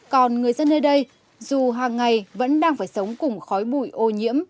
còn người dân nơi đây dù hàng ngày vẫn đang phải sống cùng khói bụi ô nhiễm